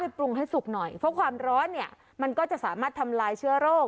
นี้เพราะความร้อนเนี่ยมันก็จะสามารถทำลายเชื้อโรค